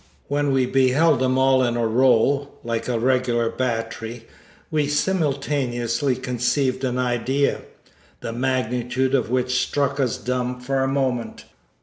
When we beheld them all in a row, like a regular battery, we simultaneously conceived an idea, the magnitude of which struck us dumb for a moment.